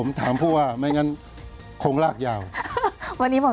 วันนี้ขอบคุณนะคะ